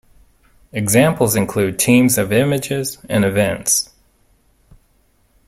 Examples include teams of images and events.